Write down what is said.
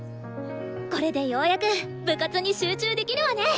これでようやく部活に集中できるわね。